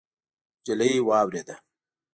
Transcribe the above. نجلۍ واورېده.